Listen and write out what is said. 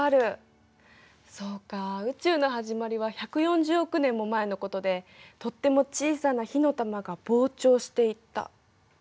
そうか「宇宙のはじまり」は１４０億年も前のことでとっても小さな火の玉が膨張していった。